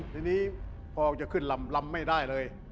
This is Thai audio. ทีนี้พอจะขึ้นลำไม่ได้เลย